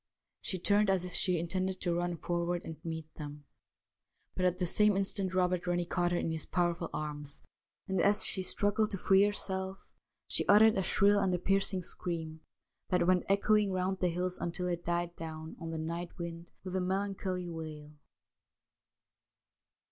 She turned as if she 22 STORIES WEIRD AND WONDERFUL intended to run forward and meet them, but at the same instant Eobert Rennie caught her in his powerful arms, and as she struggled to free herself she uttered a shrill and piercing scream that went echoing round the hills until it died down on the night wind with a melancholy wail.